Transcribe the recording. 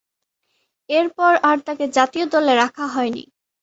এরপর আর তাকে জাতীয় দলে রাখা হয়নি।